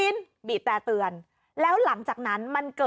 สุดท้ายวันนี้ไม่เจอ